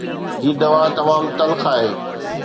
هي دوا تمام تلخ آهي